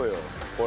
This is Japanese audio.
これ。